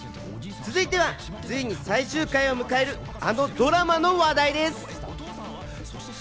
続いては、ついに最終回を迎えるあのドラマの話題です。